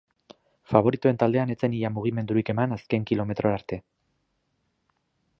Faboritoen taldean ez zen ia mugimendurik eman azken kilometrora arte.